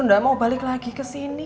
nggak mau balik lagi kesini